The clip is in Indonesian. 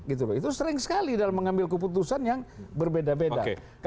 itu sering sekali dalam mengambil keputusan yang berbeda beda